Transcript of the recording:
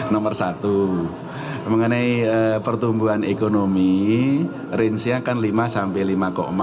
nomor satu mengenai pertumbuhan ekonomi range nya kan lima sampai lima empat